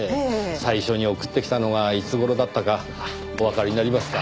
最初に送ってきたのがいつ頃だったかおわかりになりますか？